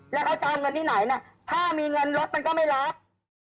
แล้วเขาจะเอาเงินที่ไหนนะถ้ามีเงินลดมันก็ไม่รับ